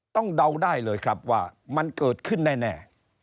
เดาได้เลยครับว่ามันเกิดขึ้นแน่